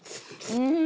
うん。